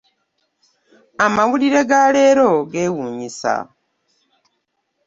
Amawulire ga leero gewuunyisa.